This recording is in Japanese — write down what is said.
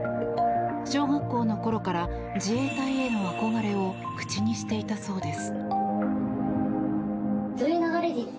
小学校のころから自衛隊への憧れを口にしていたそうです。